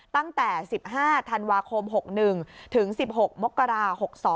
ตั้งแต่๑๕ธันวาคม๖๑ถึง๑๖มกรา๖๒